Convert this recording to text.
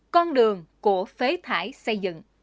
con đường của phế thải xây dựng